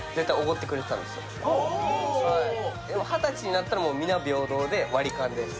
２０歳になったら皆平等、割り勘です。